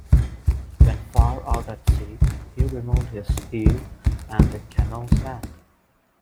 When far out at sea, he removed his heel, and the canoe sank.